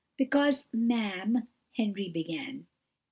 "Because, ma'am " Henry began.